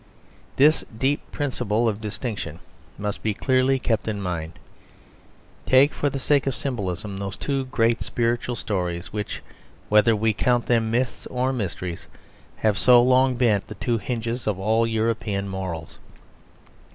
This deep principle of distinction must be clearly kept in mind. Take for the sake of symbolism those two great spiritual stories which, whether we count them myths or mysteries, have so long been the two hinges of all European morals.